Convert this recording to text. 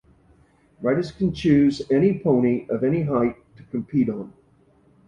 Riders can choose any pony of any height to compete on.